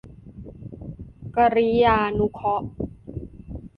กริยานุเคราะห์